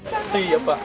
やっぱ。